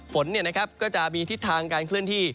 ฝนก็จะมีทิศทางการเคลื่อนที่